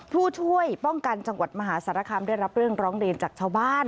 ผู้ช่วยป้องกันจังหวัดมหาสารคามได้รับเรื่องร้องเรียนจากชาวบ้าน